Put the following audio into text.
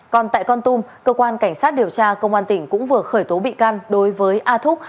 còn tại con tum cơ quan cảnh sát điều tra công an tỉnh cũng vừa khởi tố bị can đối với a thúc